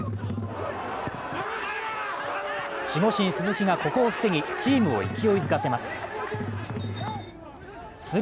守護神・鈴木がここを防ぎ、チームを勢いづかせます。